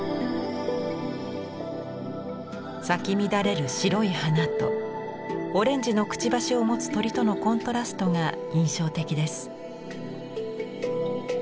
咲き乱れる白い花とオレンジのくちばしを持つ鳥とのコントラストが印象的です。